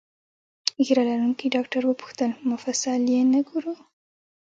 ږیره لرونکي ډاکټر وپوښتل: مفصل یې نه ګورو؟